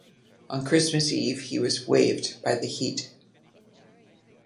On Christmas Eve he was waived by the Heat.